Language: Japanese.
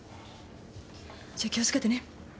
じゃあ気を付けてね。